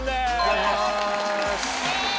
お願いします。